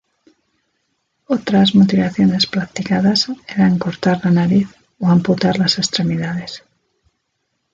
Otras mutilaciones practicadas eran cortar la nariz o amputar las extremidades.